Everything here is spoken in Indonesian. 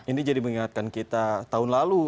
ini jadi mengingatkan kita tahun lalu